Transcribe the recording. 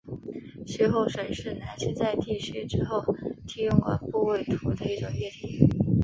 须后水是男性在剃须之后于剃过的部位涂的一种液体。